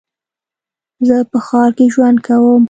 زه په ښار کې ژوند کوم.